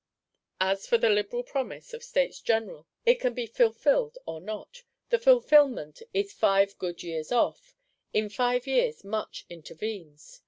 As for the liberal Promise, of States General, it can be fulfilled or not: the fulfilment is five good years off; in five years much intervenes.